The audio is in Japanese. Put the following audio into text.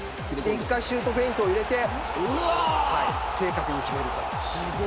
１回シュートフェイントを入れて正確に決める。